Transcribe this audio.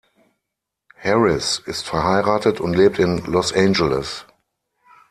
Harris ist verheiratet und lebt in Los Angeles.